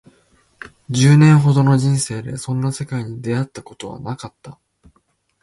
十年ほどの人生でそんな世界に出会ったことはなかった